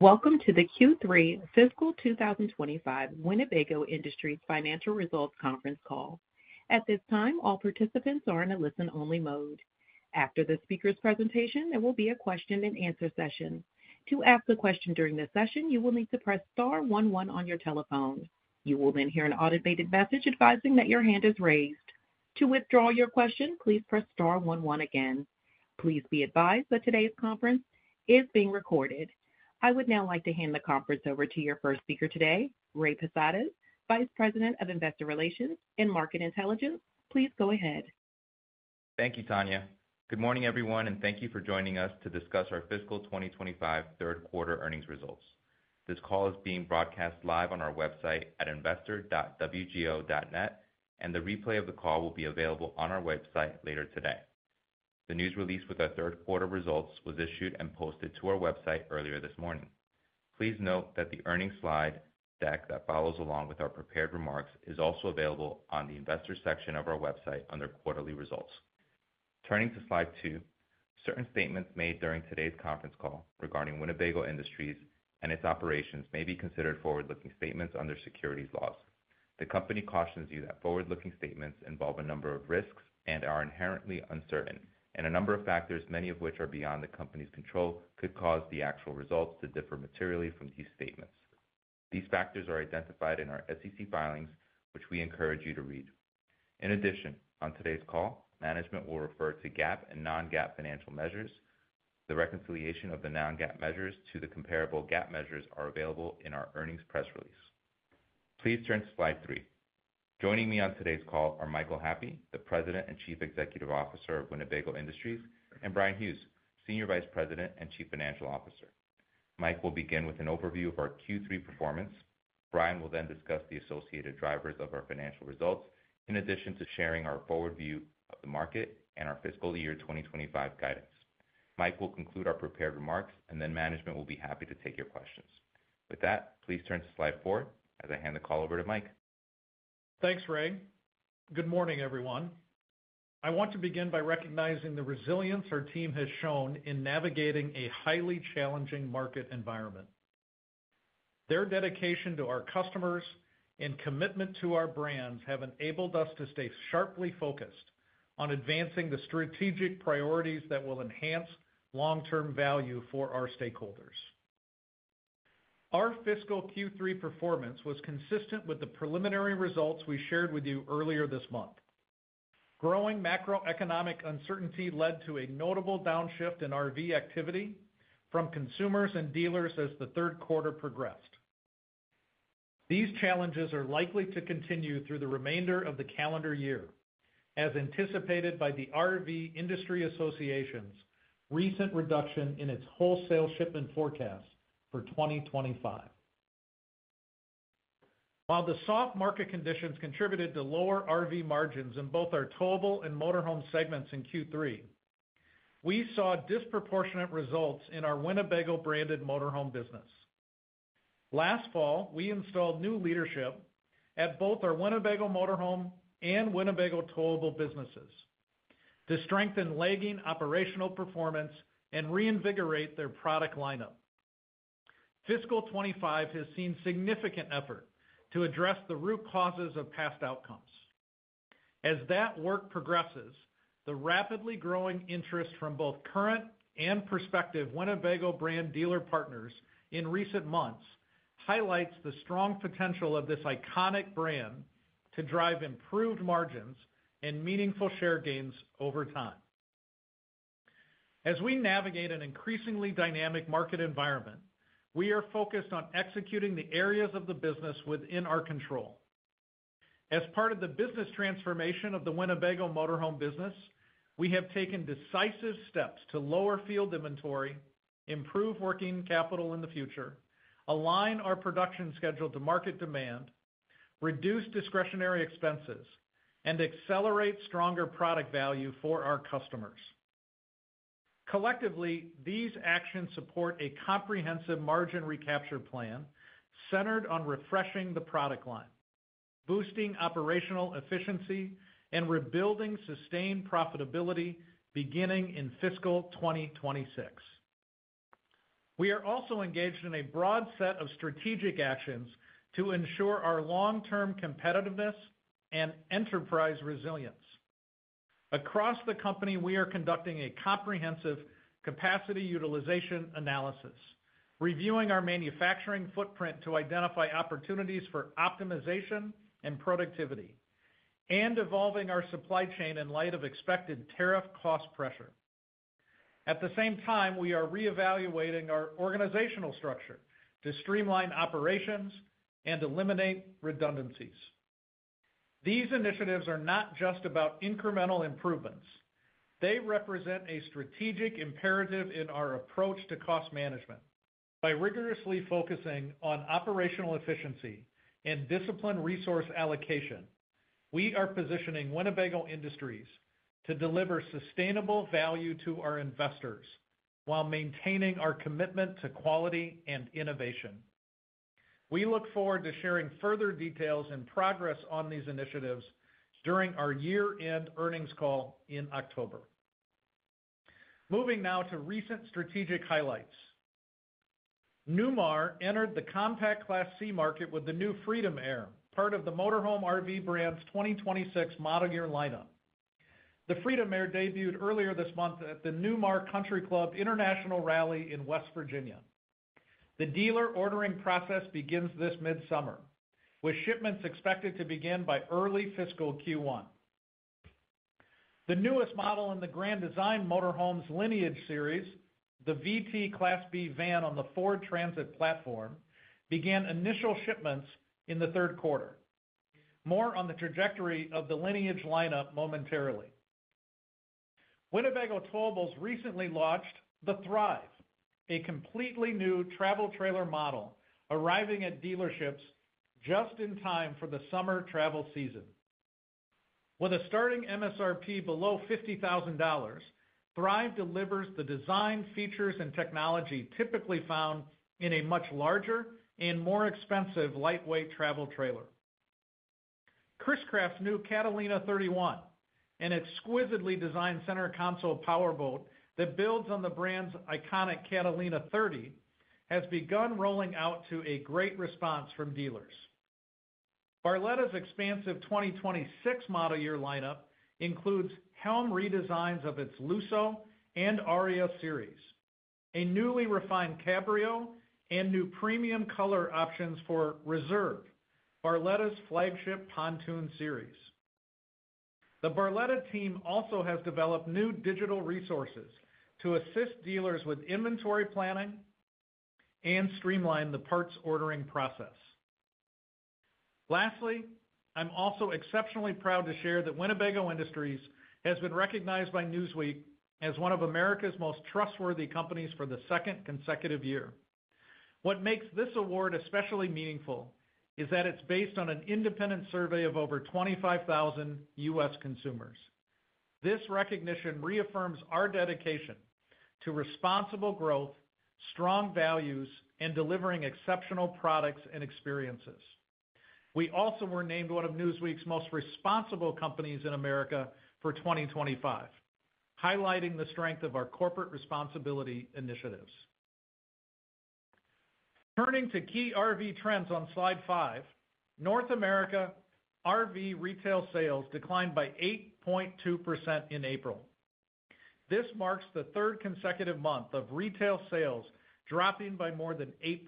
Welcome to the Q3 Fiscal 2025 Winnebago Industries Financial Results Conference Call. At this time, all participants are in a listen-only mode. After the speaker's presentation, there will be a question-and-answer session. To ask a question during this session, you will need to press star one one on your telephone. You will then hear an automated message advising that your hand is raised. To withdraw your question, please press star one one again. Please be advised that today's conference is being recorded. I would now like to hand the conference over to your first speaker today, Ray Posadas, Vice President of Investor Relations and Market Intelligence. Please go ahead. Thank you, Tanya. Good morning, everyone, and thank you for joining us to discuss our Fiscal 2025 Third-quarter Earnings Results. This call is being broadcast live on our website at investor.wgo.net, and the replay of the call will be available on our website later today. The news release with our third-quarter results was issued and posted to our website earlier this morning. Please note that the earnings slide deck that follows along with our prepared remarks is also available on the investor section of our website under quarterly results. Turning to slide two, certain statements made during today's conference call regarding Winnebago Industries and its operations may be considered forward-looking statements under securities laws. The company cautions you that forward-looking statements involve a number of risks and are inherently uncertain, and a number of factors, many of which are beyond the company's control, could cause the actual results to differ materially from these statements. These factors are identified in our SEC filings, which we encourage you to read. In addition, on today's call, management will refer to GAAP and non-GAAP financial measures. The reconciliation of the non-GAAP measures to the comparable GAAP measures is available in our earnings press release. Please turn to slide three. Joining me on today's call are Michael Happe, the President and Chief Executive Officer of Winnebago Industries, and Bryan Hughes, Senior Vice President and Chief Financial Officer. Mike will begin with an overview of our Q3 performance. Bryan will then discuss the associated drivers of our financial results, in addition to sharing our forward view of the market and our Fiscal Year 2025 guidance. Mike will conclude our prepared remarks, and then management will be happy to take your questions. With that, please turn to slide four as I hand the call over to Mike. Thanks, Ray. Good morning, everyone. I want to begin by recognizing the resilience our team has shown in navigating a highly challenging market environment. Their dedication to our customers and commitment to our brands have enabled us to stay sharply focused on advancing the strategic priorities that will enhance long-term value for our stakeholders. Our fiscal Q3 performance was consistent with the preliminary results we shared with you earlier this month. Growing macroeconomic uncertainty led to a notable downshift in RV activity from consumers and dealers as the third quarter progressed. These challenges are likely to continue through the remainder of the calendar year, as anticipated by the RV Industry Association's recent reduction in its wholesale shipment forecast for 2025. While the soft market conditions contributed to lower RV margins in both our Towable and Motorhome segments in Q3, we saw disproportionate results in our Winnebago branded Motorhome business. Last fall, we installed new leadership at both our Winnebago Motorhome and Winnebago Towable businesses to strengthen lagging operational performance and reinvigorate their product lineup. Fiscal 2025 has seen significant effort to address the root causes of past outcomes. As that work progresses, the rapidly growing interest from both current and prospective Winnebago brand dealer partners in recent months highlights the strong potential of this iconic brand to drive improved margins and meaningful share gains over time. As we navigate an increasingly dynamic market environment, we are focused on executing the areas of the business within our control. As part of the business transformation of the Winnebago Motorhome business, we have taken decisive steps to lower field inventory, improve working capital in the future, align our production schedule to market demand, reduce discretionary expenses, and accelerate stronger product value for our customers. Collectively, these actions support a comprehensive margin recapture plan centered on refreshing the product line, boosting operational efficiency, and rebuilding sustained profitability beginning in fiscal 2026. We are also engaged in a broad set of strategic actions to ensure our long-term competitiveness and enterprise resilience. Across the company, we are conducting a comprehensive capacity utilization analysis, reviewing our manufacturing footprint to identify opportunities for optimization and productivity, and evolving our supply chain in light of expected tariff cost pressure. At the same time, we are reevaluating our organizational structure to streamline operations and eliminate redundancies. These initiatives are not just about incremental improvements. They represent a strategic imperative in our approach to cost management. By rigorously focusing on operational efficiency and disciplined resource allocation, we are positioning Winnebago Industries to deliver sustainable value to our investors while maintaining our commitment to quality and innovation. We look forward to sharing further details and progress on these initiatives during our year-end earnings call in October. Moving now to recent strategic highlights. Newmar entered the compact Class C market with the new Freedom Air, part of the Motorhome RV brand's 2026 model year lineup. The Freedom Air debuted earlier this month at the Newmar Country Club International Rally in West Virginia. The dealer ordering process begins this midsummer, with shipments expected to begin by early fiscal Q1. The newest model in the Grand Design Motorhomes Lineage series, the VT Class B van on the Ford Transit platform, began initial shipments in the third quarter. More on the trajectory of the Lineage lineup momentarily. Winnebago Towables recently launched the Thrive, a completely new travel trailer model arriving at dealerships just in time for the summer travel season. With a starting MSRP below $50,000, Thrive delivers the design features and technology typically found in a much larger and more expensive lightweight travel trailer. Chris-Craft's new Catalina 31, an exquisitely designed center console powerboat that builds on the brand's iconic Catalina 30, has begun rolling out to a great response from dealers. Barletta's expansive 2026 model year lineup includes helm redesigns of its Luso and Aria series, a newly refined Cabrio, and new premium color options for Reserve, Barletta's flagship pontoon series. The Barletta team also has developed new digital resources to assist dealers with inventory planning and streamline the parts ordering process. Lastly, I'm also exceptionally proud to share that Winnebago Industries has been recognized by Newsweek as one of America's most trustworthy companies for the second consecutive year. What makes this award especially meaningful is that it's based on an independent survey of over 25,000 U.S. consumers. This recognition reaffirms our dedication to responsible growth, strong values, and delivering exceptional products and experiences. We also were named one of Newsweek's most responsible companies in America for 2025, highlighting the strength of our corporate responsibility initiatives. Turning to key RV trends on slide five, North America RV retail sales declined by 8.2% in April. This marks the third consecutive month of retail sales dropping by more than 8%,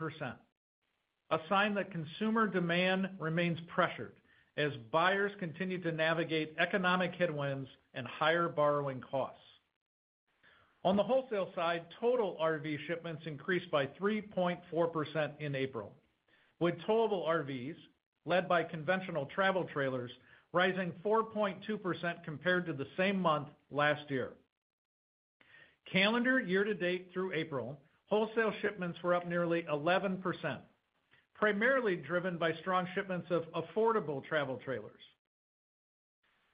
a sign that consumer demand remains pressured as buyers continue to navigate economic headwinds and higher borrowing costs. On the wholesale side, total RV shipments increased by 3.4% in April, with Towable RVs led by conventional travel trailers rising 4.2% compared to the same month last year. Calendar year-to-date through April, wholesale shipments were up nearly 11%, primarily driven by strong shipments of affordable travel trailers.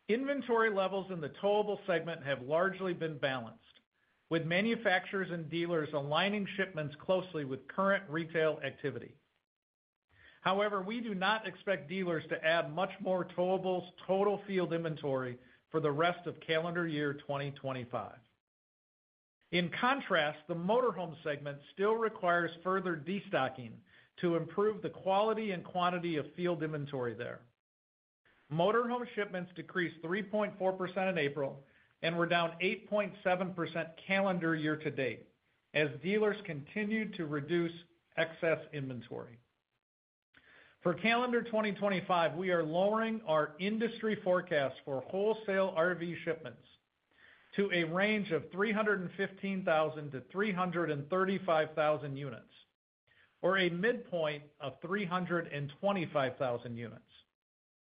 Inventory levels in the Towable segment have largely been balanced, with manufacturers and dealers aligning shipments closely with current retail activity. However, we do not expect dealers to add much more Towables total field inventory for the rest of calendar year 2025. In contrast, the Motorhome segment still requires further destocking to improve the quality and quantity of field inventory there. Motorhome shipments decreased 3.4% in April and were down 8.7% calendar year-to-date as dealers continued to reduce excess inventory. For calendar 2025, we are lowering our industry forecast for wholesale RV shipments to a range of 315,000 units-335,000 units, or a midpoint of 325,000 units.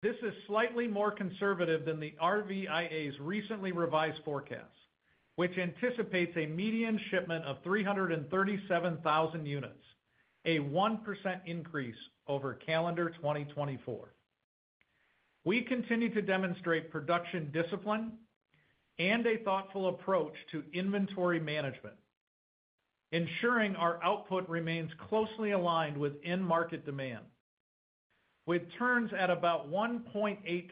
This is slightly more conservative than the RVIA's recently revised forecast, which anticipates a median shipment of 337,000 units, a 1% increase over calendar 2024. We continue to demonstrate production discipline and a thoughtful approach to inventory management, ensuring our output remains closely aligned within market demand. With turns at about 1.8x,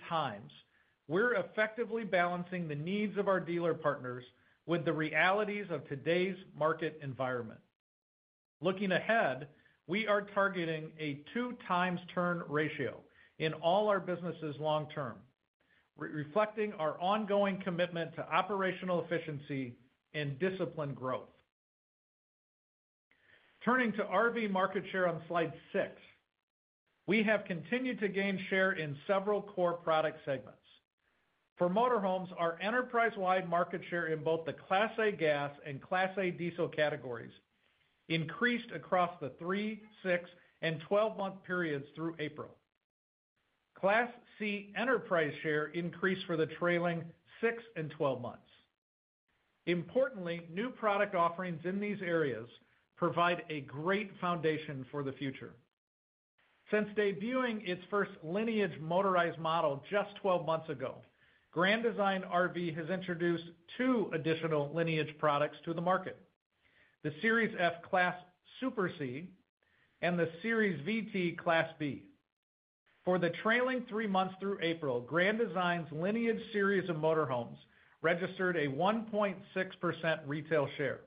we're effectively balancing the needs of our dealer partners with the realities of today's market environment. Looking ahead, we are targeting a 2x turn ratio in all our businesses long-term, reflecting our ongoing commitment to operational efficiency and disciplined growth. Turning to RV market share on slide six, we have continued to gain share in several core product segments. For Motorhomes, our enterprise-wide market share in both the Class A gas and Class A diesel categories increased across the three, six, and 12-month periods through April. Class C enterprise share increased for the trailing six and 12 months. Importantly, new product offerings in these areas provide a great foundation for the future. Since debuting its first Lineage motorized model just 12 months ago, Grand Design RV has introduced two additional Lineage products to the market: the Series F Class Super C and the Series VT Class B. For the trailing three months through April, Grand Design's Lineage series of Motorhomes registered a 1.6% retail share,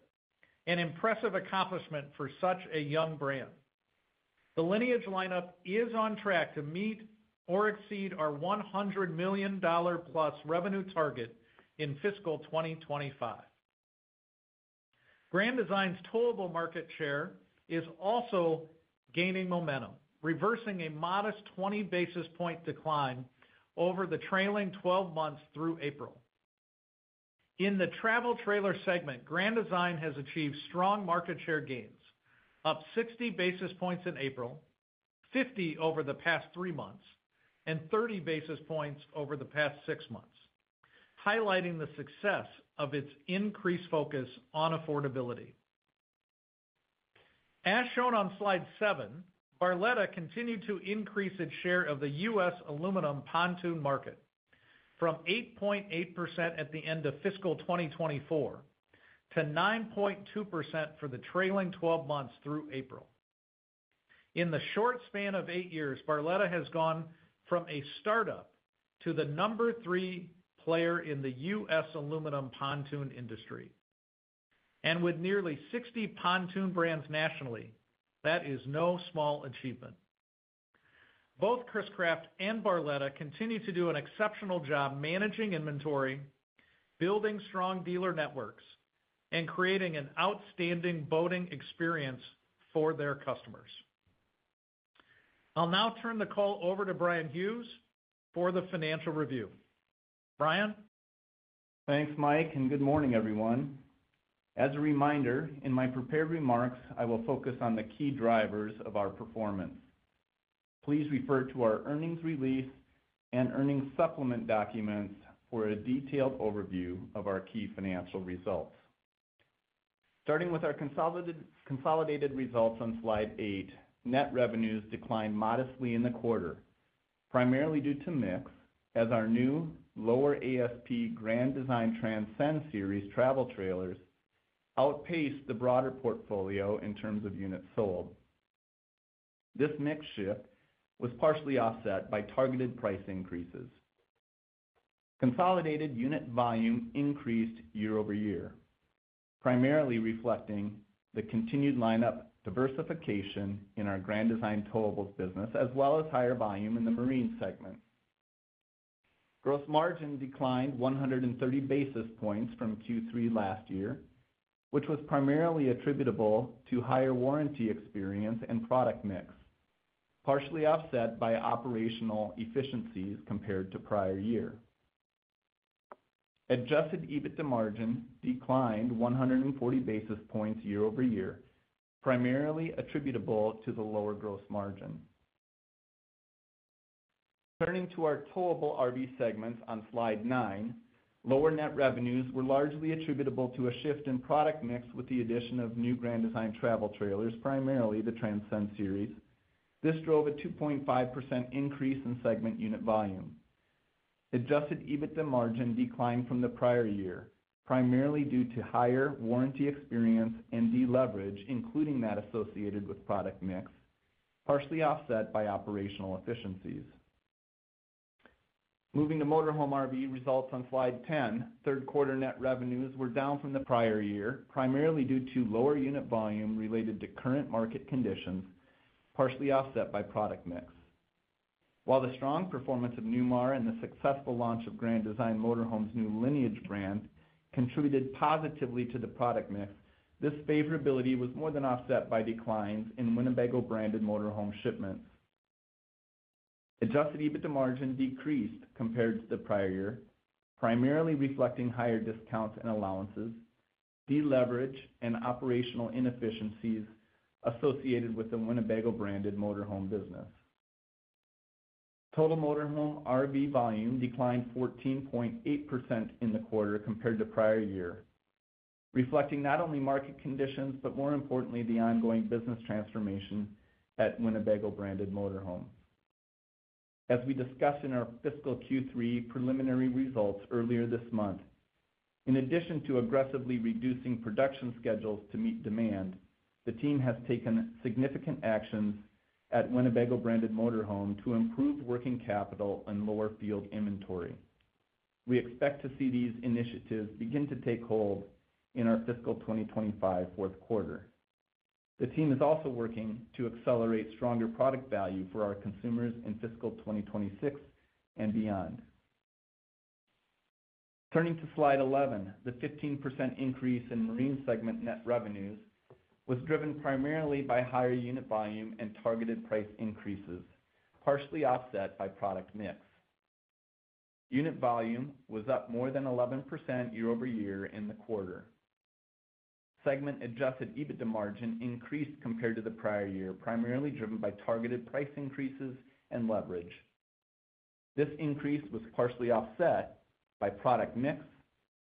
an impressive accomplishment for such a young brand. The Lineage lineup is on track to meet or exceed our $100 million+ revenue target in fiscal 2025. Grand Design's Towable market share is also gaining momentum, reversing a modest 20 basis point decline over the trailing 12 months through April. In the travel trailer segment, Grand Design has achieved strong market share gains, up 60 basis points in April, 50 over the past three months, and 30 basis points over the past six months, highlighting the success of its increased focus on affordability. As shown on slide seven, Barletta continued to increase its share of the U.S. aluminum pontoon market from 8.8% at the end of fiscal 2024 to 9.2% for the trailing 12 months through April. In the short span of eight years, Barletta has gone from a startup to the number three player in the U.S. aluminum pontoon industry. With nearly 60 pontoon brands nationally, that is no small achievement. Both Chris-Craft and Barletta continue to do an exceptional job managing inventory, building strong dealer networks, and creating an outstanding boating experience for their customers. I'll now turn the call over to Bryan Hughes for the financial review. Bryan. Thanks, Mike, and good morning, everyone. As a reminder, in my prepared remarks, I will focus on the key drivers of our performance. Please refer to our earnings release and earnings supplement documents for a detailed overview of our key financial results. Starting with our consolidated results on slide eight, net revenues declined modestly in the quarter, primarily due to mix as our new lower ASP Grand Design Transcend Series travel trailers outpaced the broader portfolio in terms of units sold. This mix shift was partially offset by targeted price increases. Consolidated unit volume increased year-over-year, primarily reflecting the continued lineup diversification in our Grand Design Towables business, as well as higher volume in the marine segment. Gross margin declined 130 basis points from Q3 last year, which was primarily attributable to higher warranty experience and product mix, partially offset by operational efficiencies compared to prior year. Adjusted EBITDA margin declined 140 basis points year-over-year, primarily attributable to the lower gross margin. Turning to our Towable RV segments on slide nine, lower net revenues were largely attributable to a shift in product mix with the addition of new Grand Design travel trailers, primarily the Transcend Series. This drove a 2.5% increase in segment unit volume. Adjusted EBITDA margin declined from the prior year, primarily due to higher warranty experience and deleverage, including that associated with product mix, partially offset by operational efficiencies. Moving to Motorhome RV results on slide ten, third quarter net revenues were down from the prior year, primarily due to lower unit volume related to current market conditions, partially offset by product mix. While the strong performance of Newmar and the successful launch of Grand Design Motorhome's new Lineage brand contributed positively to the product mix, this favorability was more than offset by declines in Winnebago branded Motorhome shipments. Adjusted EBITDA margin decreased compared to the prior year, primarily reflecting higher discounts and allowances, deleverage, and operational inefficiencies associated with the Winnebago branded Motorhome business. Total Motorhome RV volume declined 14.8% in the quarter compared to prior year, reflecting not only market conditions but, more importantly, the ongoing business transformation at Winnebago branded Motorhome. As we discussed in our fiscal Q3 preliminary results earlier this month, in addition to aggressively reducing production schedules to meet demand, the team has taken significant actions at Winnebago branded Motorhome to improve working capital and lower field inventory. We expect to see these initiatives begin to take hold in our fiscal 2025 fourth quarter. The team is also working to accelerate stronger product value for our consumers in fiscal 2026 and beyond. Turning to slide eleven, the 15% increase in marine segment net revenues was driven primarily by higher unit volume and targeted price increases, partially offset by product mix. Unit volume was up more than 11% year-over-year in the quarter. Segment adjusted EBITDA margin increased compared to the prior year, primarily driven by targeted price increases and leverage. This increase was partially offset by product mix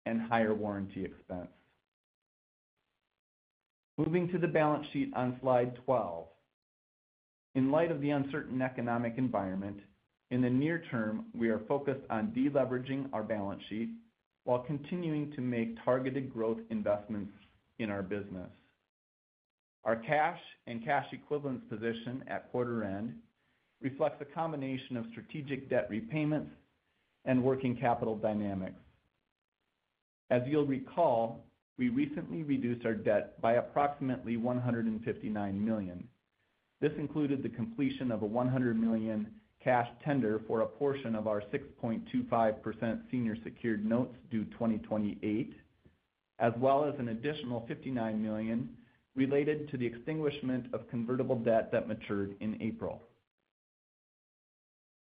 and higher warranty expense. Moving to the balance sheet on slide 12. In light of the uncertain economic environment, in the near term, we are focused on deleveraging our balance sheet while continuing to make targeted growth investments in our business. Our cash and cash equivalents position at quarter end reflects a combination of strategic debt repayments and working capital dynamics. As you'll recall, we recently reduced our debt by approximately $159 million. This included the completion of a $100 million cash tender for a portion of our 6.25% senior secured notes due 2028, as well as an additional $59 million related to the extinguishment of convertible debt that matured in April.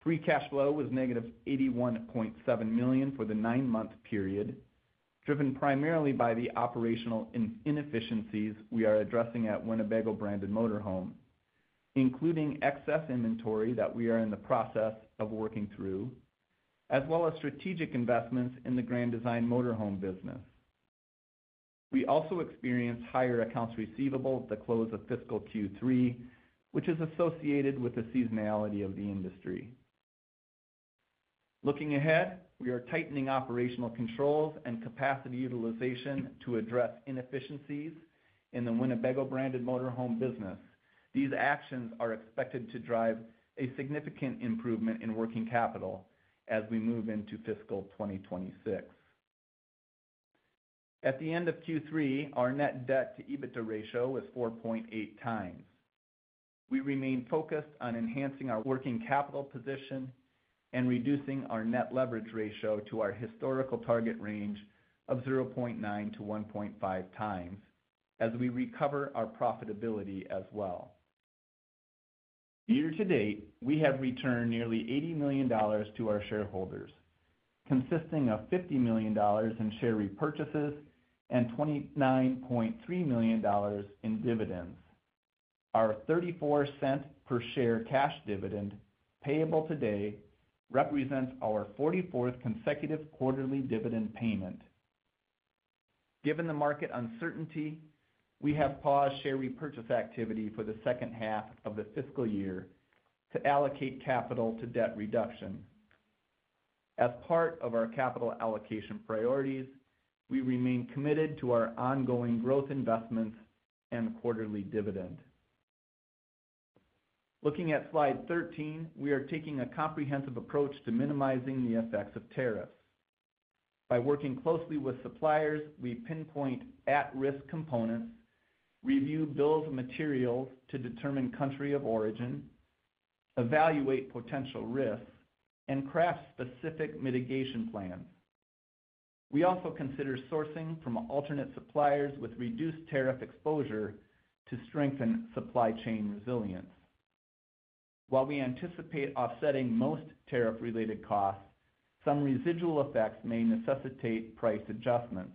Free cash flow was negative $81.7 million for the nine-month period, driven primarily by the operational inefficiencies we are addressing at Winnebago branded Motorhome, including excess inventory that we are in the process of working through, as well as strategic investments in the Grand Design Motorhome business. We also experienced higher accounts receivable at the close of fiscal Q3, which is associated with the seasonality of the industry. Looking ahead, we are tightening operational controls and capacity utilization to address inefficiencies in the Winnebago branded Motorhome business. These actions are expected to drive a significant improvement in working capital as we move into fiscal 2026. At the end of Q3, our net debt to EBITDA ratio was 4.8x. We remain focused on enhancing our working capital position and reducing our net leverage ratio to our historical target range of 0.9 times-1.5 times as we recover our profitability as well. Year-to-date, we have returned nearly $80 million to our shareholders, consisting of $50 million in share repurchases and $29.3 million in dividends. Our $0.34 per share cash dividend payable today represents our 44th consecutive quarterly dividend payment. Given the market uncertainty, we have paused share repurchase activity for the second half of the fiscal year to allocate capital to debt reduction. As part of our capital allocation priorities, we remain committed to our ongoing growth investments and quarterly dividend. Looking at slide thirteen, we are taking a comprehensive approach to minimizing the effects of tariffs. By working closely with suppliers, we pinpoint at-risk components, review bills of materials to determine country of origin, evaluate potential risks, and craft specific mitigation plans. We also consider sourcing from alternate suppliers with reduced tariff exposure to strengthen supply chain resilience. While we anticipate offsetting most tariff-related costs, some residual effects may necessitate price adjustments.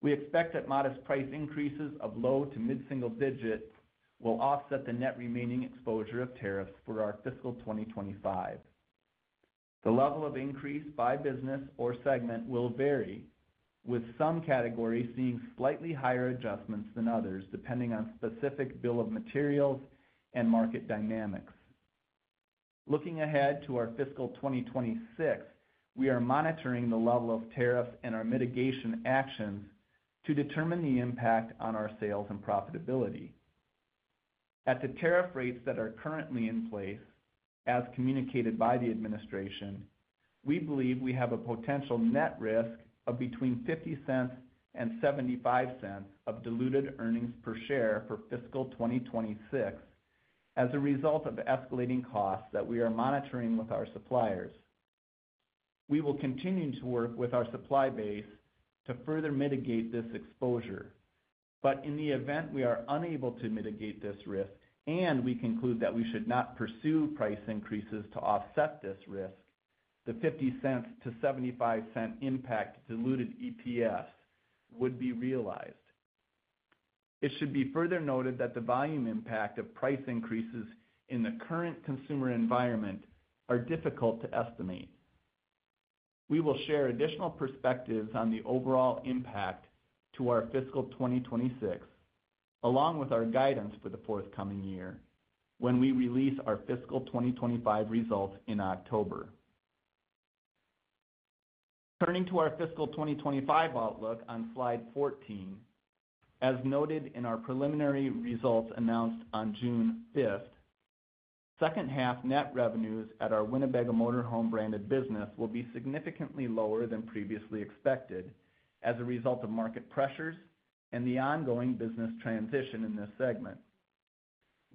We expect that modest price increases of low to mid-single digits will offset the net remaining exposure of tariffs for our fiscal 2025. The level of increase by business or segment will vary, with some categories seeing slightly higher adjustments than others, depending on specific bill of materials and market dynamics. Looking ahead to our fiscal 2026, we are monitoring the level of tariffs and our mitigation actions to determine the impact on our sales and profitability. At the tariff rates that are currently in place, as communicated by the administration, we believe we have a potential net risk of between $0.50 and $0.75 of diluted earnings per share for fiscal 2026 as a result of escalating costs that we are monitoring with our suppliers. We will continue to work with our supply base to further mitigate this exposure. In the event we are unable to mitigate this risk and we conclude that we should not pursue price increases to offset this risk, the $0.50-$0.75 impact diluted EPS would be realized. It should be further noted that the volume impact of price increases in the current consumer environment is difficult to estimate. We will share additional perspectives on the overall impact to our fiscal 2026, along with our guidance for the forthcoming year when we release our fiscal 2025 results in October. Turning to our fiscal 2025 outlook on slide fourteen, as noted in our preliminary results announced on June fifth, second half net revenues at our Winnebago Motorhome branded business will be significantly lower than previously expected as a result of market pressures and the ongoing business transition in this segment.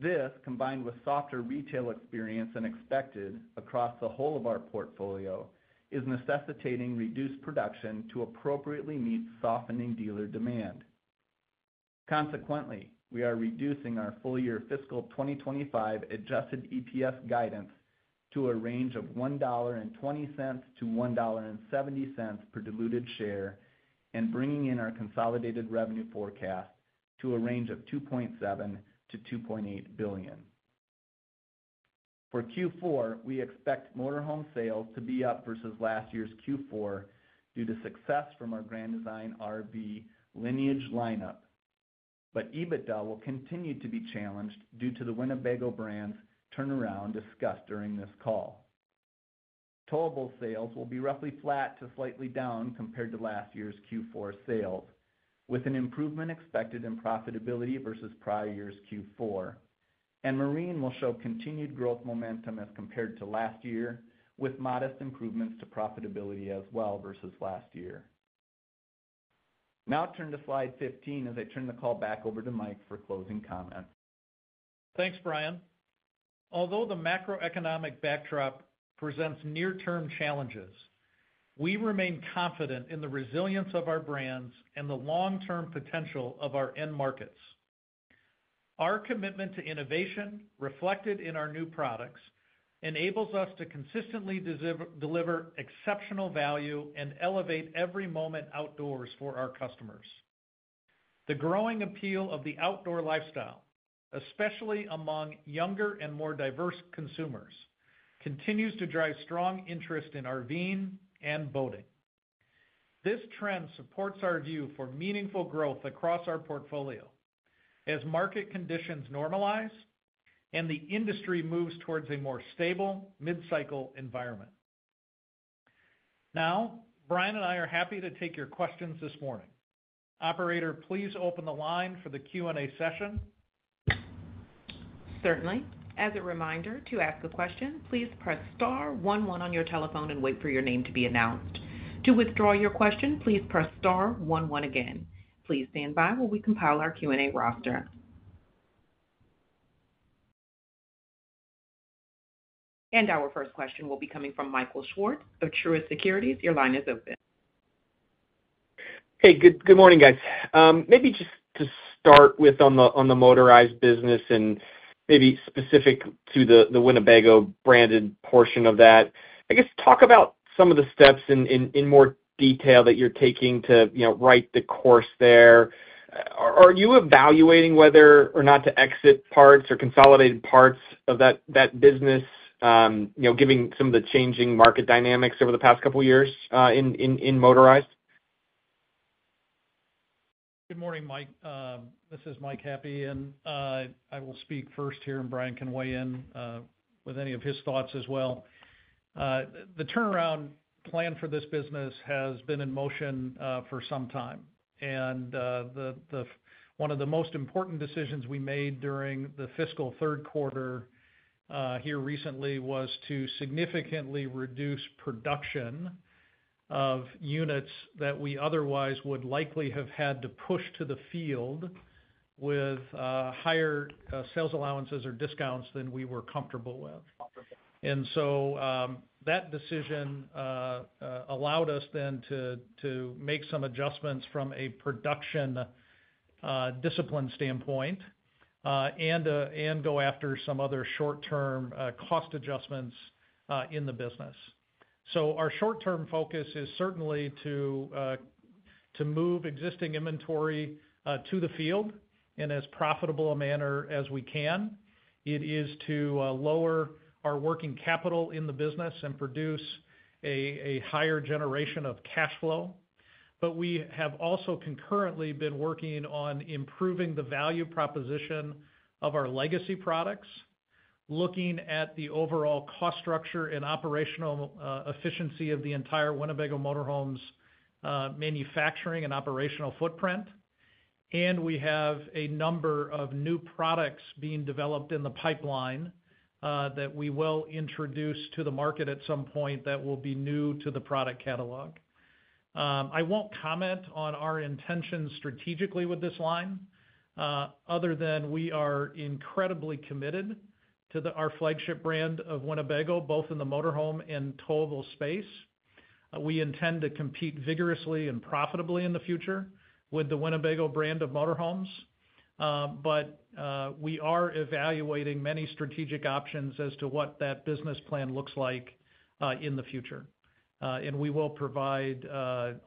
This, combined with softer retail experience than expected across the whole of our portfolio, is necessitating reduced production to appropriately meet softening dealer demand. Consequently, we are reducing our full year fiscal 2025 adjusted EPS guidance to a range of $1.20-$1.70 per diluted share and bringing in our consolidated revenue forecast to a range of $2.7 billion-$2.8 billion. For Q4, we expect Motorhome sales to be up versus last year's Q4 due to success from our Grand Design RV Lineage lineup. EBITDA will continue to be challenged due to the Winnebago brand's turnaround discussed during this call. Towable sales will be roughly flat to slightly down compared to last year's Q4 sales, with an improvement expected in profitability versus prior year's Q4. Marine will show continued growth momentum as compared to last year, with modest improvements to profitability as well versus last year. Now turn to slide fifteen as I turn the call back over to Mike for closing comments. Thanks, Bryan. Although the macroeconomic backdrop presents near-term challenges, we remain confident in the resilience of our brands and the long-term potential of our end markets. Our commitment to innovation, reflected in our new products, enables us to consistently deliver exceptional value and elevate every moment outdoors for our customers. The growing appeal of the outdoor lifestyle, especially among younger and more diverse consumers, continues to drive strong interest in RVing and boating. This trend supports our view for meaningful growth across our portfolio as market conditions normalize and the industry moves towards a more stable mid-cycle environment. Now, Bryan and I are happy to take your questions this morning. Operator, please open the line for the Q&A session. Certainly. As a reminder to ask a question, please press star one one on your telephone and wait for your name to be announced. To withdraw your question, please press star one one again. Please stand by while we compile our Q&A roster. Our first question will be coming from Michael Swartz of Truist Securities. Your line is open. Hey, good morning, guys. Maybe just to start with on the motorized business and maybe specific to the Winnebago branded portion of that, I guess talk about some of the steps in more detail that you're taking to write the course there. Are you evaluating whether or not to exit parts or consolidate parts of that business, given some of the changing market dynamics over the past couple of years in motorized? Good morning, Mike. This is Michael Happe, and I will speak first here, and Bryan can weigh in with any of his thoughts as well. The turnaround plan for this business has been in motion for some time. One of the most important decisions we made during the fiscal third quarter here recently was to significantly reduce production of units that we otherwise would likely have had to push to the field with higher sales allowances or discounts than we were comfortable with. That decision allowed us then to make some adjustments from a production discipline standpoint and go after some other short-term cost adjustments in the business. Our short-term focus is certainly to move existing inventory to the field in as profitable a manner as we can. It is to lower our working capital in the business and produce a higher generation of cash flow. We have also concurrently been working on improving the value proposition of our legacy products, looking at the overall cost structure and operational efficiency of the entire Winnebago Motorhome's manufacturing and operational footprint. We have a number of new products being developed in the pipeline that we will introduce to the market at some point that will be new to the product catalog. I won't comment on our intentions strategically with this line other than we are incredibly committed to our flagship brand of Winnebago, both in the Motorhome and Towable space. We intend to compete vigorously and profitably in the future with the Winnebago brand of Motorhomes. We are evaluating many strategic options as to what that business plan looks like in the future. We will provide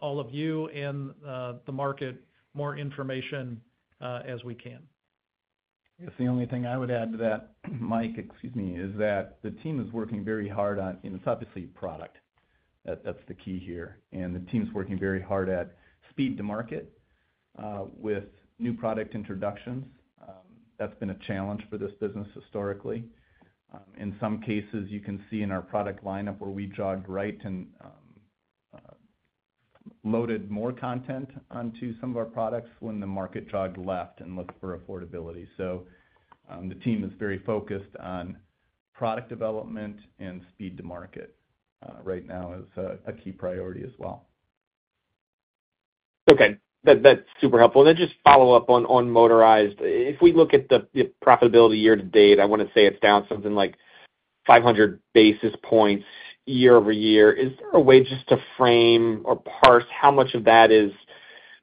all of you and the market more information as we can. The only thing I would add to that, Mike, excuse me, is that the team is working very hard on, and it's obviously product. That's the key here. The team's working very hard at speed to market with new product introductions. That's been a challenge for this business historically. In some cases, you can see in our product lineup where we jogged right and loaded more content onto some of our products when the market jogged left and looked for affordability. The team is very focused on product development and speed to market right now as a key priority as well. Okay. That's super helpful. Then just follow up on motorized. If we look at the profitability year-to-date, I want to say it's down something like 500 basis points year-over-year. Is there a way just to frame or parse how much of that is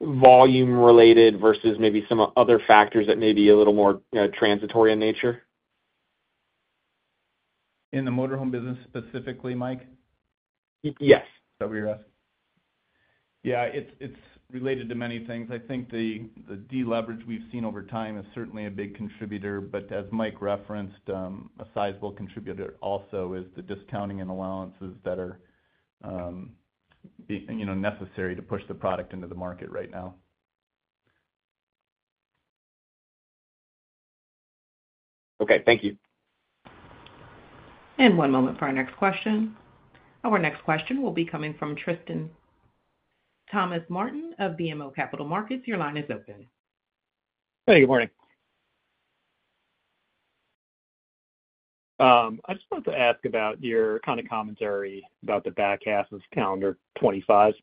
volume-related versus maybe some other factors that may be a little more transitory in nature? In the Motorhome business specifically, Mike? Yes. Is that what you're asking? Yeah. It's related to many things. I think the deleverage we've seen over time is certainly a big contributor. As Mike referenced, a sizable contributor also is the discounting and allowances that are necessary to push the product into the market right now. Okay. Thank you. One moment for our next question. Our next question will be coming from Tristan Thomas-Martin of BMO Capital Markets. Your line is open. Hey, good morning. I just wanted to ask about your kind of commentary about the back half of calendar 2025.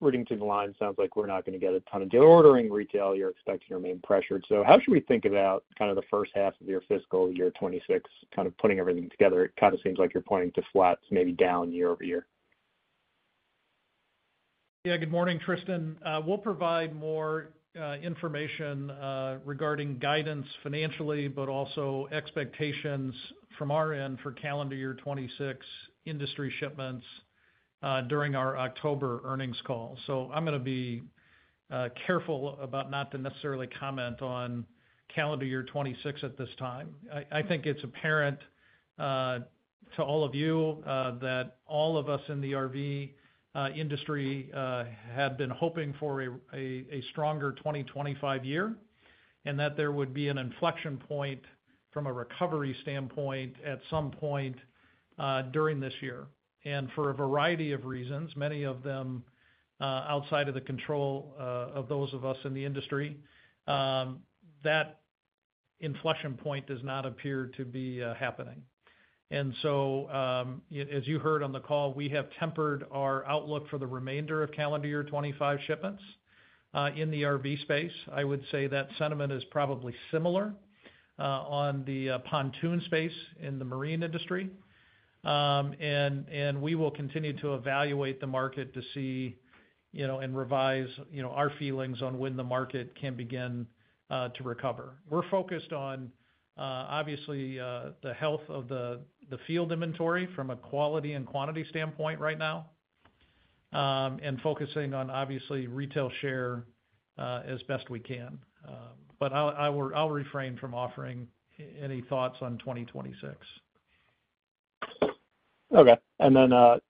Reading through the line, it sounds like we're not going to get a ton of deal ordering retail. You're expecting to remain pressured. How should we think about kind of the first half of your fiscal year 2026, kind of putting everything together? It kind of seems like you're pointing to flats, maybe down year-over-year. Yeah. Good morning, Tristan. We'll provide more information regarding guidance financially, but also expectations from our end for calendar year 2026 industry shipments during our October earnings call. I'm going to be careful about not to necessarily comment on calendar year 2026 at this time. I think it's apparent to all of you that all of us in the RV industry had been hoping for a stronger 2025 year and that there would be an inflection point from a recovery standpoint at some point during this year. For a variety of reasons, many of them outside of the control of those of us in the industry, that inflection point does not appear to be happening. As you heard on the call, we have tempered our outlook for the remainder of calendar year 2025 shipments in the RV space. I would say that sentiment is probably similar on the pontoon space in the marine industry. We will continue to evaluate the market to see and revise our feelings on when the market can begin to recover. We're focused on, obviously, the health of the field inventory from a quality and quantity standpoint right now and focusing on, obviously, retail share as best we can. I'll refrain from offering any thoughts on 2026. Okay.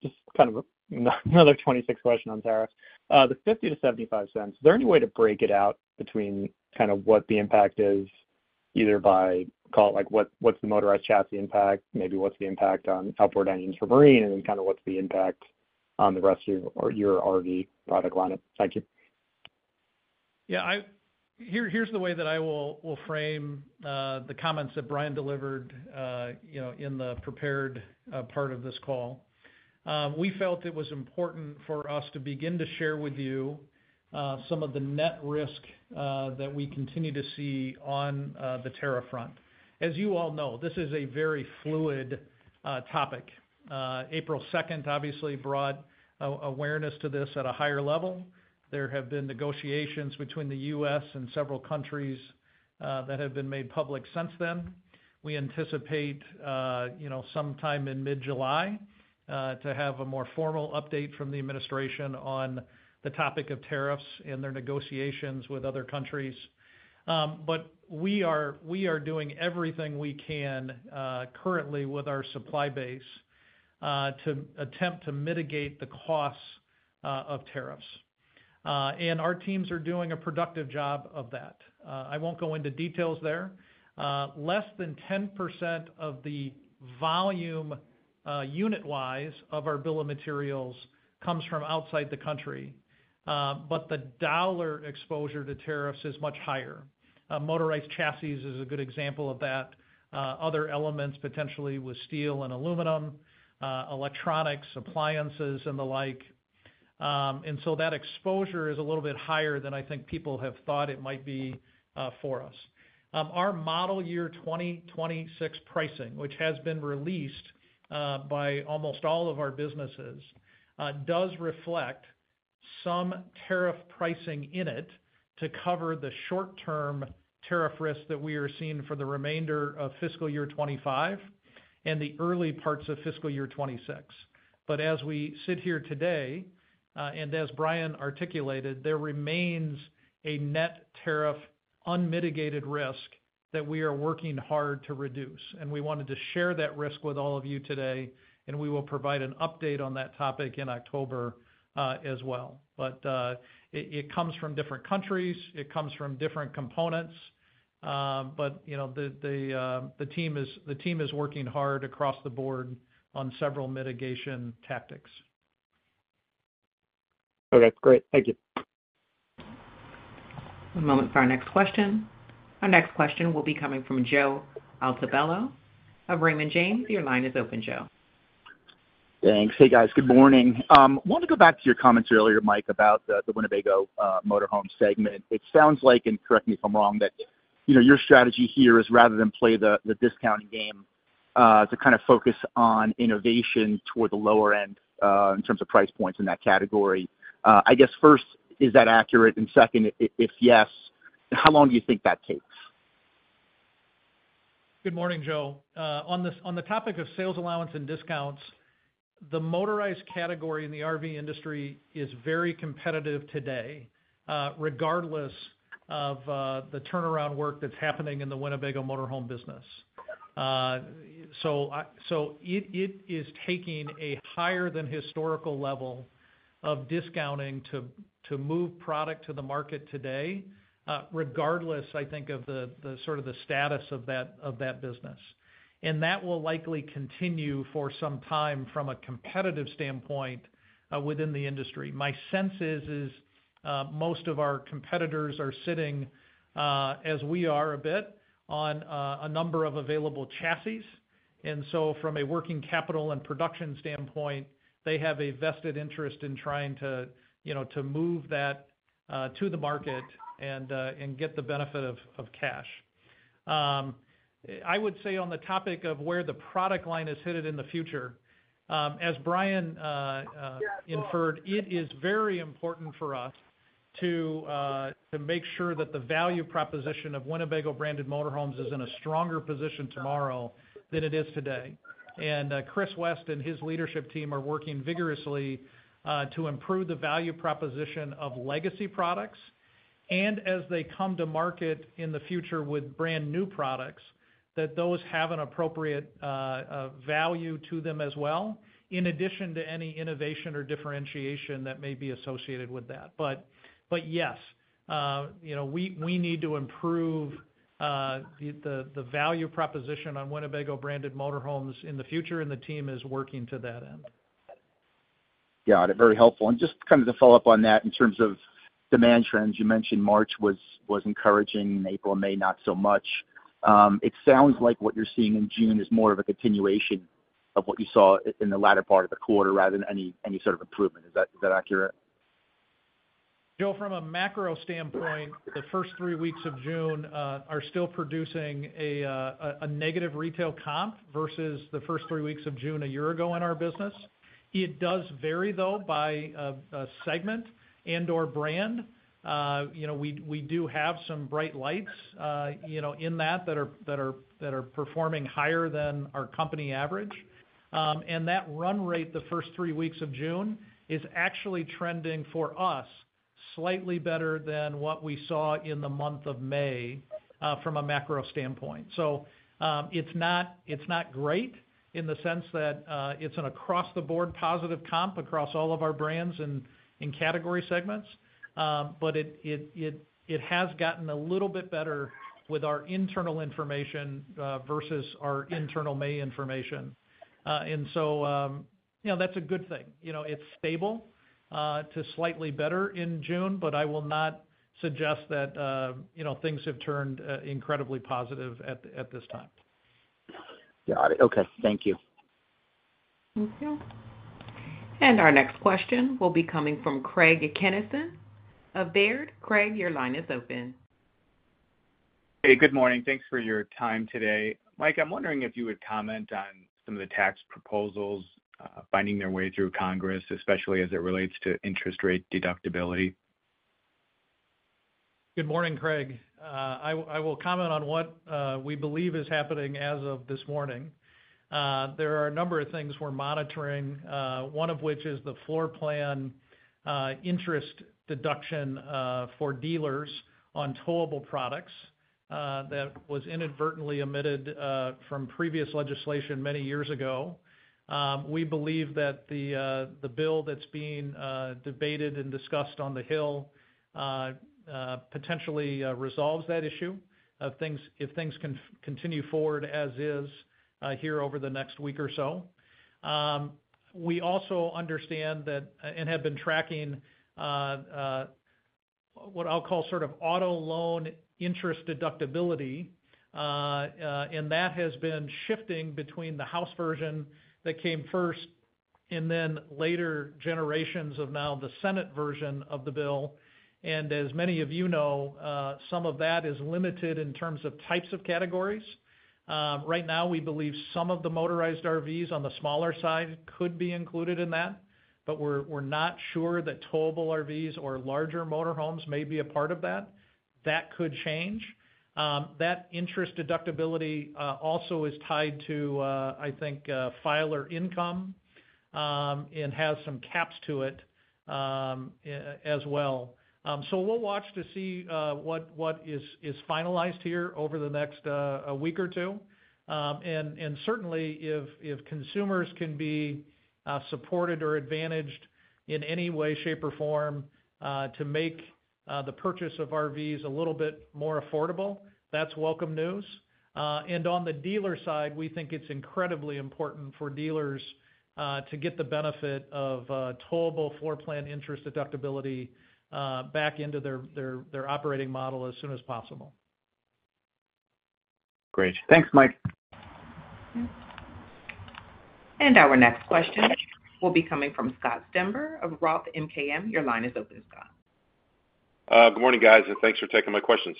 Just kind of another 2026 question on tariffs. The $0.50 to $0.75, is there any way to break it out between kind of what the impact is, either by, call it like, what's the motorized chassis impact, maybe what's the impact on outboard engines for marine, and then kind of what's the impact on the rest of your RV product lineup? Thank you. Yeah. Here's the way that I will frame the comments that Bryan delivered in the prepared part of this call. We felt it was important for us to begin to share with you some of the net risk that we continue to see on the tariff front. As you all know, this is a very fluid topic. April 2nd, obviously, brought awareness to this at a higher level. There have been negotiations between the U.S. and several countries that have been made public since then. We anticipate sometime in mid-July to have a more formal update from the administration on the topic of tariffs and their negotiations with other countries. We are doing everything we can currently with our supply base to attempt to mitigate the costs of tariffs. Our teams are doing a productive job of that. I won't go into details there. Less than 10% of the volume unit-wise of our bill of materials comes from outside the country, but the dollar exposure to tariffs is much higher. Motorized chassis is a good example of that. Other elements potentially with steel and aluminum, electronics, appliances, and the like. That exposure is a little bit higher than I think people have thought it might be for us. Our model year 2026 pricing, which has been released by almost all of our businesses, does reflect some tariff pricing in it to cover the short-term tariff risk that we are seeing for the remainder of fiscal year 2025 and the early parts of fiscal year 2026. As we sit here today, and as Bryan articulated, there remains a net tariff unmitigated risk that we are working hard to reduce. We wanted to share that risk with all of you today, and we will provide an update on that topic in October as well. It comes from different countries. It comes from different components. The team is working hard across the board on several mitigation tactics. Okay. Great. Thank you. One moment for our next question. Our next question will be coming from Joe Altobello of Raymond James. Your line is open, Joe. Thanks. Hey, guys. Good morning. I want to go back to your comments earlier, Mike, about the Winnebago Motorhome segment. It sounds like, and correct me if I'm wrong, that your strategy here is rather than play the discounting game, to kind of focus on innovation toward the lower end in terms of price points in that category. I guess first, is that accurate? Second, if yes, how long do you think that takes? Good morning, Joe. On the topic of sales allowance and discounts, the motorized category in the RV industry is very competitive today, regardless of the turnaround work that is happening in the Winnebago Motorhome business. It is taking a higher-than-historical level of discounting to move product to the market today, regardless, I think, of the sort of status of that business. That will likely continue for some time from a competitive standpoint within the industry. My sense is most of our competitors are sitting, as we are a bit, on a number of available chassis. From a working capital and production standpoint, they have a vested interest in trying to move that to the market and get the benefit of cash. I would say on the topic of where the product line is headed in the future, as Bryan inferred, it is very important for us to make sure that the value proposition of Winnebago branded Motorhomes is in a stronger position tomorrow than it is today. Chris West and his leadership team are working vigorously to improve the value proposition of legacy products. As they come to market in the future with brand new products, those have an appropriate value to them as well, in addition to any innovation or differentiation that may be associated with that. Yes, we need to improve the value proposition on Winnebago branded Motorhomes in the future, and the team is working to that end. Got it. Very helpful. Just kind of to follow up on that in terms of demand trends, you mentioned March was encouraging, April and May not so much. It sounds like what you're seeing in June is more of a continuation of what you saw in the latter part of the quarter rather than any sort of improvement. Is that accurate? Joe, from a macro standpoint, the first three weeks of June are still producing a negative retail comp versus the first three weeks of June a year ago in our business. It does vary, though, by segment and/or brand. We do have some bright lights in that that are performing higher than our company average. That run rate, the first three weeks of June, is actually trending for us slightly better than what we saw in the month of May from a macro standpoint. It is not great in the sense that it is an across-the-board positive comp across all of our brands and category segments, but it has gotten a little bit better with our internal information versus our internal May information. That is a good thing. It is stable to slightly better in June, but I will not suggest that things have turned incredibly positive at this time. Got it. Okay. Thank you. Thank you. Our next question will be coming from Craig Kennison of Baird. Craig, your line is open. Hey, good morning. Thanks for your time today. Mike, I am wondering if you would comment on some of the tax proposals finding their way through Congress, especially as it relates to interest rate deductibility. Good morning, Craig. I will comment on what we believe is happening as of this morning. There are a number of things we're monitoring, one of which is the floor plan interest deduction for dealers on Towable products that was inadvertently omitted from previous legislation many years ago. We believe that the bill that's being debated and discussed on the Hill potentially resolves that issue if things continue forward as is here over the next week or so. We also understand that and have been tracking what I'll call sort of auto loan interest deductibility. That has been shifting between the House version that came first and then later generations of now the Senate version of the bill. As many of you know, some of that is limited in terms of types of categories. Right now, we believe some of the motorized RVs on the smaller side could be included in that, but we're not sure that Towable RVs or larger Motorhomes may be a part of that. That could change. That interest deductibility also is tied to, I think, filer income and has some caps to it as well. We will watch to see what is finalized here over the next week or two. Certainly, if consumers can be supported or advantaged in any way, shape, or form to make the purchase of RVs a little bit more affordable, that's welcome news. On the dealer side, we think it's incredibly important for dealers to get the benefit of Towable floor plan interest deductibility back into their operating model as soon as possible. Great. Thanks, Mike. Our next question will be coming from Scott Stember of Roth MKM. Your line is open, Scott. Good morning, guys, and thanks for taking my questions.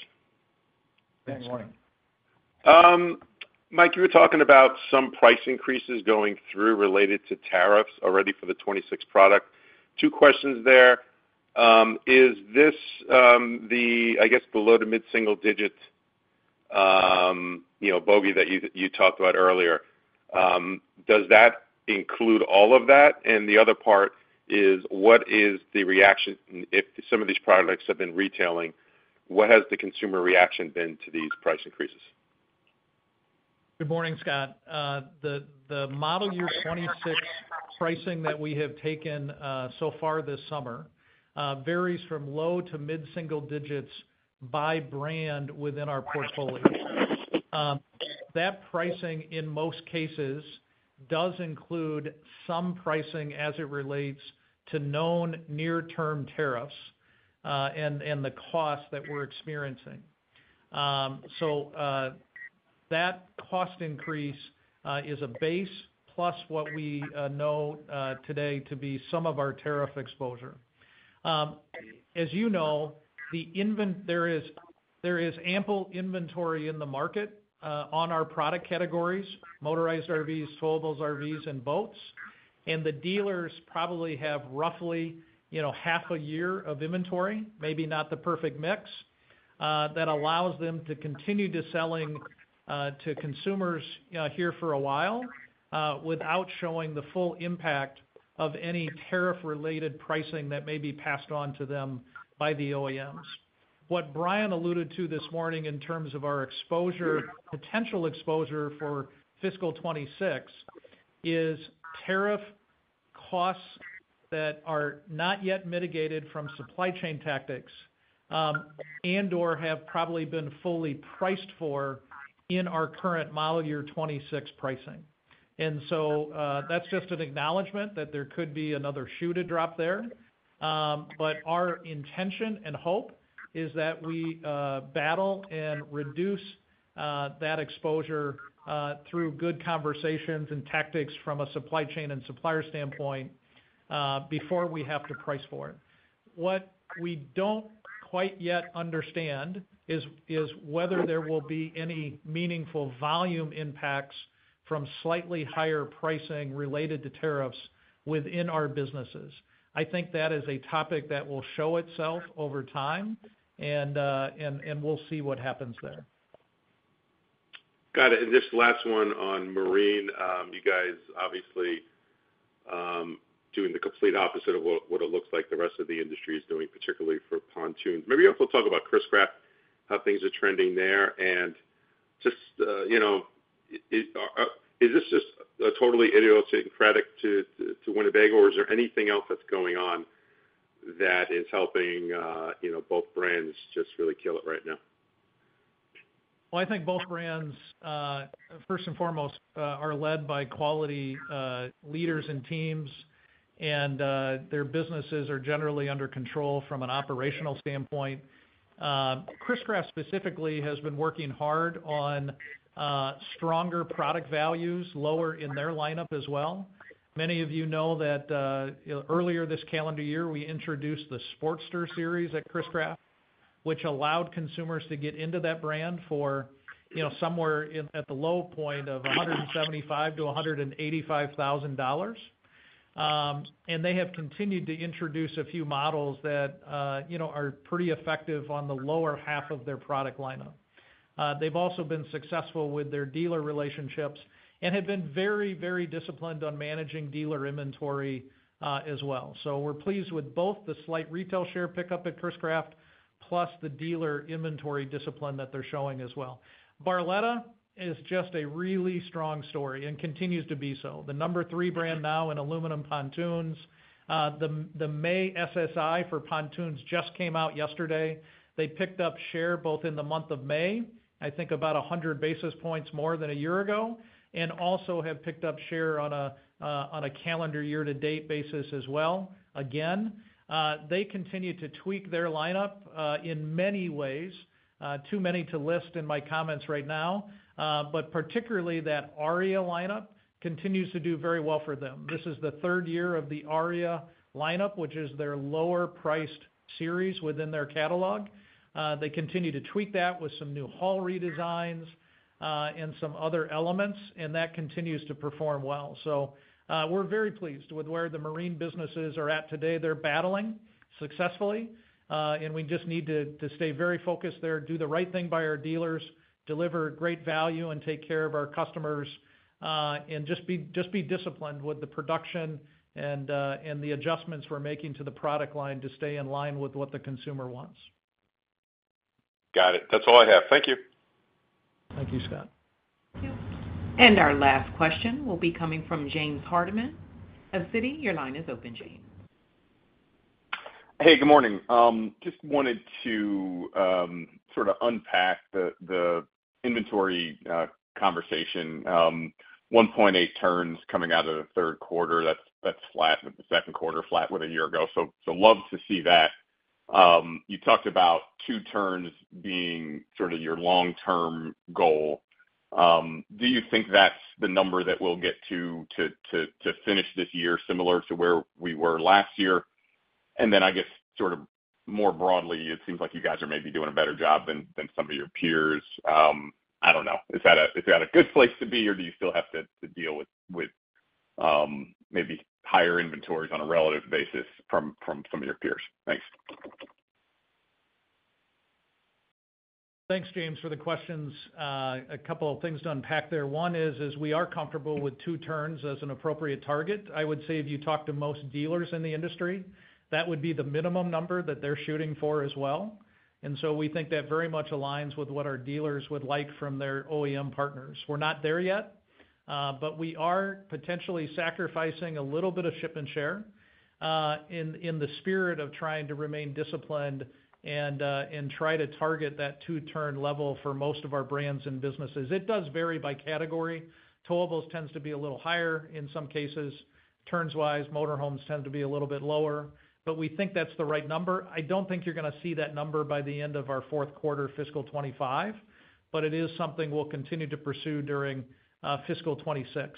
Thanks. Good morning. Mike, you were talking about some price increases going through related to tariffs already for the 2026 product. Two questions there. Is this the, I guess, below the mid-single digit bogey that you talked about earlier? Does that include all of that? The other part is, what is the reaction if some of these products have been retailing? What has the consumer reaction been to these price increases? Good morning, Scott. The model year 2026 pricing that we have taken so far this summer varies from low to mid-single digits by brand within our portfolio. That pricing, in most cases, does include some pricing as it relates to known near-term tariffs and the cost that we're experiencing. That cost increase is a base plus what we know today to be some of our tariff exposure. As you know, there is ample inventory in the market on our product categories: Motorized RVs, Towable RVs, and boats. The dealers probably have roughly half a year of inventory, maybe not the perfect mix, that allows them to continue to sell to consumers here for a while without showing the full impact of any tariff-related pricing that may be passed on to them by the OEMs. What Bryan alluded to this morning in terms of our potential exposure for fiscal 2026 is tariff costs that are not yet mitigated from supply chain tactics and/or have probably been fully priced for in our current model year 2026 pricing. That is just an acknowledgment that there could be another shoe to drop there. Our intention and hope is that we battle and reduce that exposure through good conversations and tactics from a supply chain and supplier standpoint before we have to price for it. What we do not quite yet understand is whether there will be any meaningful volume impacts from slightly higher pricing related to tariffs within our businesses. I think that is a topic that will show itself over time, and we will see what happens there. Got it. This last one on marine, you guys obviously are doing the complete opposite of what it looks like the rest of the industry is doing, particularly for pontoons. Maybe we will talk about Chris-Craft, how things are trending there. Is this just totally idiosyncratic to Winnebago, or is there anything else that is going on that is helping both brands just really kill it right now? I think both brands, first and foremost, are led by quality leaders and teams, and their businesses are generally under control from an operational standpoint. Chris-Craft specifically has been working hard on stronger product values, lower in their lineup as well. Many of you know that earlier this calendar year, we introduced the Sportster series at Chris-Craft, which allowed consumers to get into that brand for somewhere at the low point of $175,000-$185,000. They have continued to introduce a few models that are pretty effective on the lower half of their product lineup. They've also been successful with their dealer relationships and have been very, very disciplined on managing dealer inventory as well. We are pleased with both the slight retail share pickup at Chris-Craft plus the dealer inventory discipline that they're showing as well. Barletta is just a really strong story and continues to be so. The number three brand now in aluminum pontoons. The May SSI for pontoons just came out yesterday. They picked up share both in the month of May, I think about 100 basis points more than a year ago, and also have picked up share on a calendar year-to-date basis as well. Again, they continue to tweak their lineup in many ways, too many to list in my comments right now, but particularly that Aria lineup continues to do very well for them. This is the third year of the Aria lineup, which is their lower-priced series within their catalog. They continue to tweak that with some new hull redesigns and some other elements, and that continues to perform well. We are very pleased with where the marine businesses are at today. They're battling successfully, and we just need to stay very focused there, do the right thing by our dealers, deliver great value, and take care of our customers, and just be disciplined with the production and the adjustments we're making to the product line to stay in line with what the consumer wants. Got it. That's all I have. Thank you. Thank you, Scott. Thank you. And our last question will be coming from James Hardiman. At Citi, your line is open, James. Hey, good morning. Just wanted to sort of unpack the inventory conversation. 1.8 turns coming out of the third quarter. That's flat with the second quarter, flat with a year ago. So love to see that. You talked about two turns being sort of your long-term goal. Do you think that's the number that we'll get to finish this year similar to where we were last year? I guess sort of more broadly, it seems like you guys are maybe doing a better job than some of your peers. I don't know. Is that a good place to be, or do you still have to deal with maybe higher inventories on a relative basis from some of your peers? Thanks. Thanks, James, for the questions. A couple of things to unpack there. One is, as we are comfortable with two turns as an appropriate target, I would say if you talk to most dealers in the industry, that would be the minimum number that they're shooting for as well. We think that very much aligns with what our dealers would like from their OEM partners. We're not there yet, but we are potentially sacrificing a little bit of ship and share in the spirit of trying to remain disciplined and try to target that two-turn level for most of our brands and businesses. It does vary by category. Towables tends to be a little higher in some cases. Turns-wise, Motorhomes tend to be a little bit lower, but we think that's the right number. I don't think you're going to see that number by the end of our fourth quarter, fiscal 2025, but it is something we'll continue to pursue during fiscal 2026.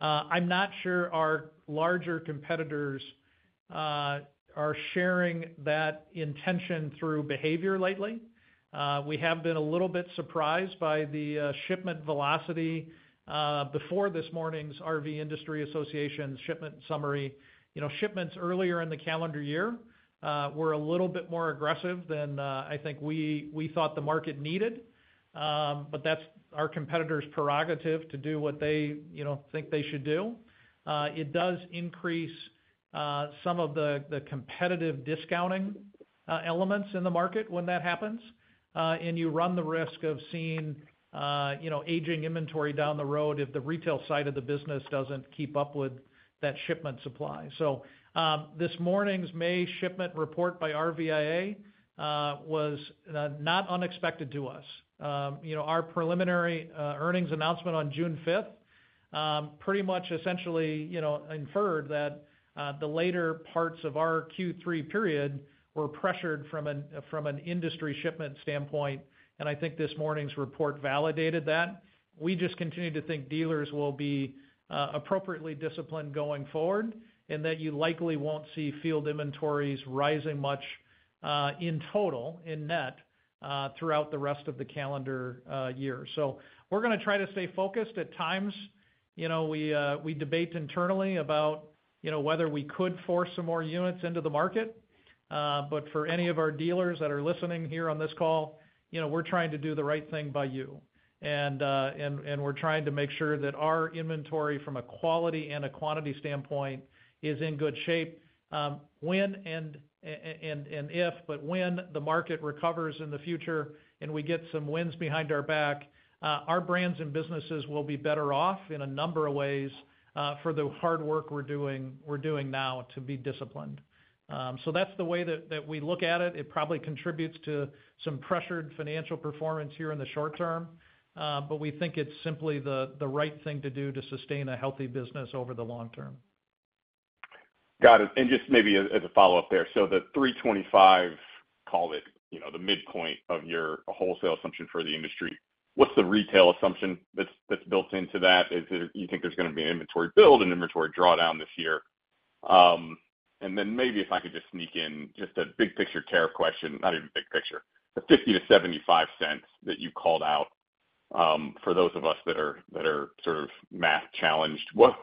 I'm not sure our larger competitors are sharing that intention through behavior lately. We have been a little bit surprised by the shipment velocity before this morning's RV Industry Association shipment summary. Shipments earlier in the calendar year were a little bit more aggressive than I think we thought the market needed, but that's our competitors' prerogative to do what they think they should do. It does increase some of the competitive discounting elements in the market when that happens, and you run the risk of seeing aging inventory down the road if the retail side of the business doesn't keep up with that shipment supply. This morning's May shipment report by RVIA was not unexpected to us. Our preliminary earnings announcement on June 5th pretty much essentially inferred that the later parts of our Q3 period were pressured from an industry shipment standpoint, and I think this morning's report validated that. We just continue to think dealers will be appropriately disciplined going forward and that you likely won't see field inventories rising much in total in net throughout the rest of the calendar year. We are going to try to stay focused. At times, we debate internally about whether we could force some more units into the market. For any of our dealers that are listening here on this call, we are trying to do the right thing by you, and we are trying to make sure that our inventory from a quality and a quantity standpoint is in good shape. When and if, but when the market recovers in the future and we get some winds behind our back, our brands and businesses will be better off in a number of ways for the hard work we are doing now to be disciplined. That is the way that we look at it. It probably contributes to some pressured financial performance here in the short term, but we think it's simply the right thing to do to sustain a healthy business over the long term. Got it. Just maybe as a follow-up there, so the 325, call it the midpoint of your wholesale assumption for the industry. What's the retail assumption that's built into that? You think there's going to be an inventory build and inventory drawdown this year? Maybe if I could just sneak in just a big-picture tariff question, not even big picture, the 50 cents-75 cents that you called out for those of us that are sort of math-challenged, what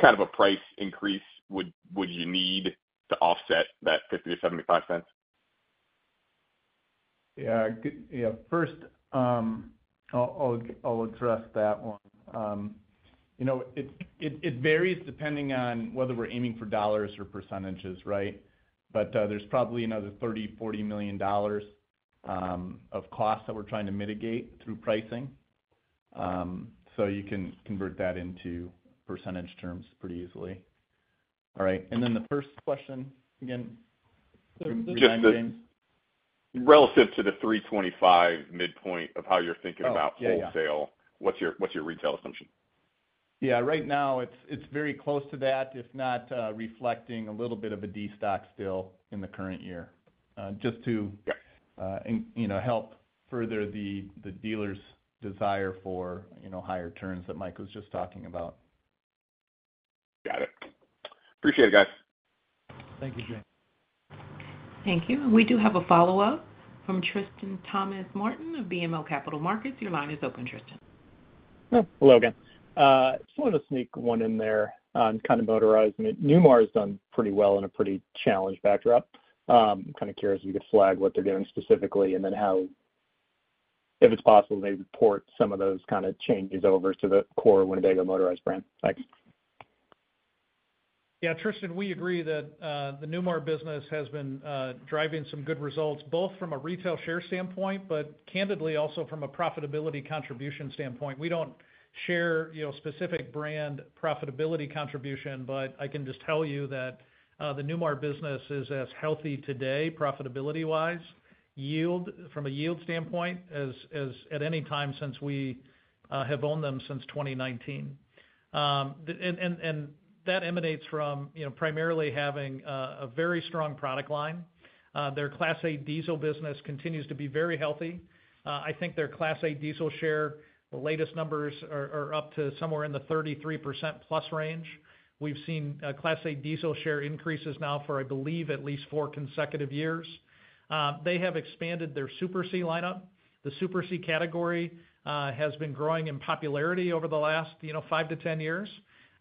kind of a price increase would you need to offset that 50 cents-75 cents? Yeah. First, I'll address that one. It varies depending on whether we're aiming for dollars or percentages, right? There is probably another $30 million-$40 million of cost that we are trying to mitigate through pricing. You can convert that into percentage terms pretty easily. All right. The first question again, James. Relative to the 325 midpoint of how you are thinking about wholesale, what is your retail assumption? Yeah. Right now, it is very close to that, if not reflecting a little bit of a destock still in the current year just to help further the dealer's desire for higher turns that Mike was just talking about. Got it. Appreciate it, guys. Thank you, James. Thank you. We do have a follow-up from Tristan Thomas-Martin of BMO Capital Markets. Your line is open, Tristan. Hello again. Just wanted to sneak one in there on kind of motorized. Newmar has done pretty well in a pretty challenged backdrop. I'm kind of curious if you could flag what they're doing specifically and then how, if it's possible, they report some of those kind of changes over to the core Winnebago motorized brand. Thanks. Yeah. Tristan, we agree that the Newmar business has been driving some good results both from a retail share standpoint, but candidly also from a profitability contribution standpoint. We don't share specific brand profitability contribution, but I can just tell you that the Newmar business is as healthy today profitability-wise, from a yield standpoint as at any time since we have owned them since 2019. And that emanates from primarily having a very strong product line. Their Class A diesel business continues to be very healthy. I think their Class A diesel share, the latest numbers are up to somewhere in the 33% plus range. We've seen Class A diesel share increases now for, I believe, at least four consecutive years. They have expanded their Super C lineup. The Super C category has been growing in popularity over the last 5 years-10 years.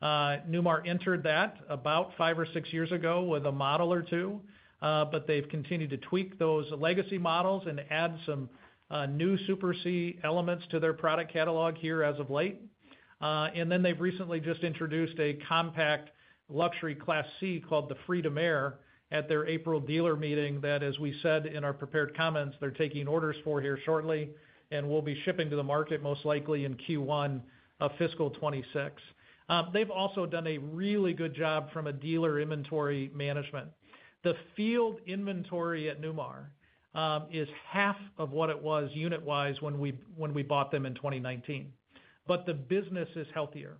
Newmar entered that about five or six years ago with a model or two, but they've continued to tweak those legacy models and add some new Super C elements to their product catalog here as of late. They've recently just introduced a compact luxury Class C called the Freedom Air at their April dealer meeting that, as we said in our prepared comments, they're taking orders for here shortly, and we'll be shipping to the market most likely in Q1 of fiscal 2026. They've also done a really good job from a dealer inventory management. The field inventory at Newmar is half of what it was unit-wise when we bought them in 2019, but the business is healthier.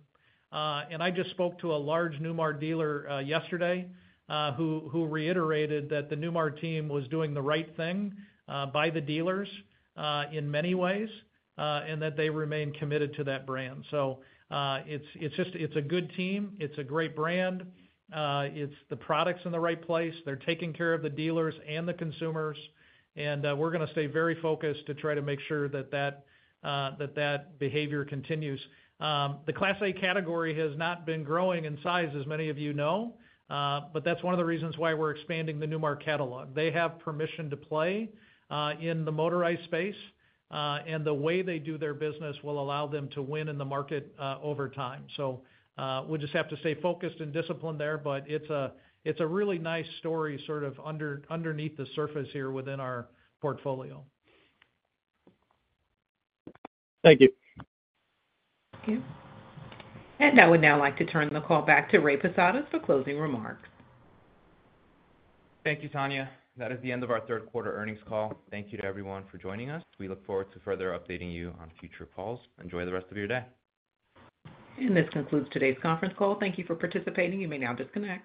I just spoke to a large Newmar dealer yesterday who reiterated that the Newmar team was doing the right thing by the dealers in many ways and that they remain committed to that brand. It is a good team. It is a great brand. The product's in the right place. They are taking care of the dealers and the consumers, and we are going to stay very focused to try to make sure that that behavior continues. The Class A category has not been growing in size, as many of you know, but that is one of the reasons why we are expanding the Newmar catalog. They have permission to play in the motorized space, and the way they do their business will allow them to win in the market over time. We just have to stay focused and disciplined there, but it's a really nice story sort of underneath the surface here within our portfolio. Thank you. Thank you. I would now like to turn the call back to Ray Posadas for closing remarks. Thank you, Tanya. That is the end of our third quarter earnings call. Thank you to everyone for joining us. We look forward to further updating you on future calls. Enjoy the rest of your day. This concludes today's conference call. Thank you for participating. You may now disconnect.